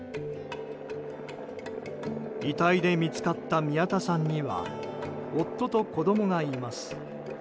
遺体で見つかった宮田さんには夫と子供がいます。